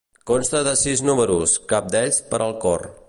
Consta de sis números, cap d'ells per al cor.